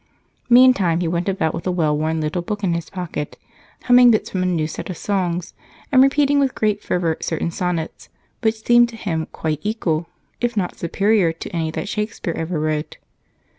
Meantime he went about with a well worn little book in his pocket, humming bits from a new set of songs and repeating with great fervor certain sonnets which seemed to him quite equal, if not superior, to any that Shakespeare ever wrote.